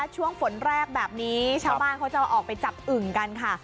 ช่วงฝนแรกแบบนี้ชาวบ้านเขาจะออกไปจับอึ่งกันค่ะ